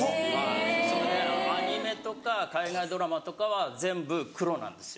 それでアニメとか海外ドラマとかは全部黒なんですよ。